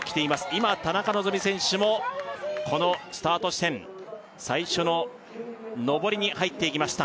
今田中希実選手もこのスタート地点最初の上りに入っていきました